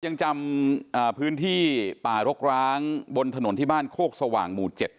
ยังจำพื้นที่ป่ารกร้างบนถนนที่บ้านโคกสว่างหมู่๗